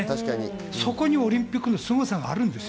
そこにオリンピックのすごさがあるんです。